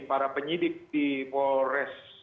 para penyidik di polres